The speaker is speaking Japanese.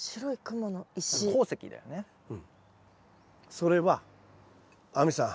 それは亜美さん